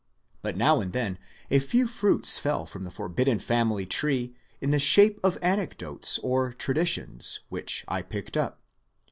But now and then a few fruits fell from the forbidden family tree in the shape of anecdotes or traditions, which I picked up.